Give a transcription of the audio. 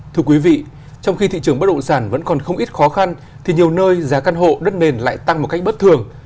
thưa quý vị trong khi thị trường bất động sản vẫn còn không ít khó khăn thì nhiều nơi giá căn hộ đất nền lại tăng một cách bất thường